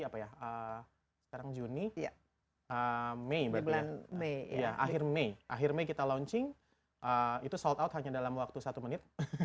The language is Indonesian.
akhir mei akhir mei kita launching itu sold out hanya dalam waktu satu menit